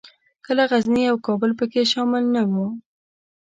کله غزني او کابل پکښې شامل نه وو.